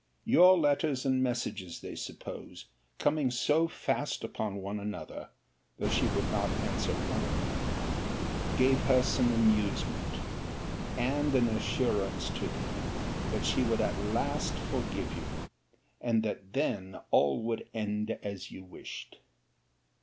Your letters and messages, they suppose, coming so fast upon one another (though she would not answer one of them) gave her some amusement, and an assurance to them, that she would at last forgive you; and that then all would end as you wished.